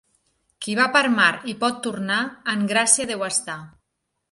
Qui va per mar i pot tornar, en gràcia deu estar.